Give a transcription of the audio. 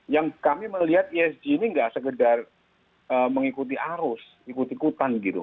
yang kami melihat esg ini nggak segedar mengikuti arus ikuti kutan gitu